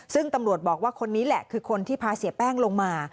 ซึ่งตำรวจบอกว่าคนนี้แหละคือคนที่พาเสียแป้งลงมา